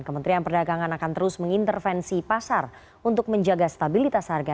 kementerian perdagangan akan terus mengintervensi pasar untuk menjaga stabilitas harga